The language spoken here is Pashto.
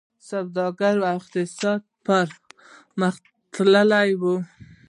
سوداګري او اقتصاد پرمختللی و